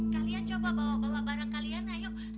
kalian coba bawa barang kalian ya yuk